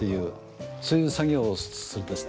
そういう作業をするんですね。